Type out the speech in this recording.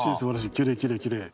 きれいきれいきれい。